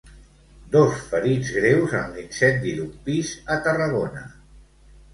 Dos ferits greus en l'incendi d'un pis a Tarragona.